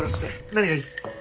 何がいい？